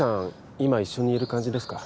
今一緒にいる感じですか？